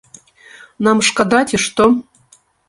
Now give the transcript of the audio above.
Нам шкада ці што?